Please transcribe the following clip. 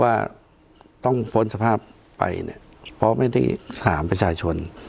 ว่าต้องพ้นสภาพไปเนี่ยเพราะไม่ได้ถามประชาชน